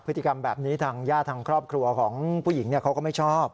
พฤติกรรมแบบนี้ทางญาติทางครอบครัวของผู้หญิงเขาก็ไม่ชอบ